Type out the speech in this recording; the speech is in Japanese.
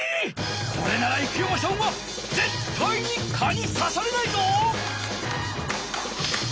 これなら生山さんはぜったいに蚊にさされないぞ！